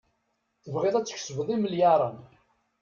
Tebɣiḍ ad tkesbeḍ imelyaṛen.